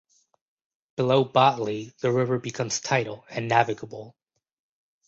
Below Botley, the river becomes tidal and navigable.